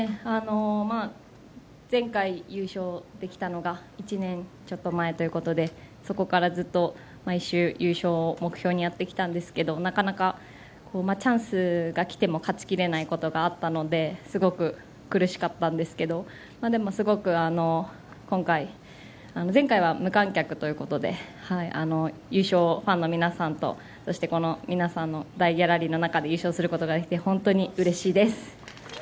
前回、優勝できたのが１年ちょっと前ということでそこからずっと毎週優勝を目標にやってきたんですがなかなかチャンスが来ても勝ち切れないことがあったのですごく苦しかったんですけどすごく今回前回は無観客ということでファンの皆さんとこの皆さんの大ギャラリーの中で優勝することができて本当にうれしいです。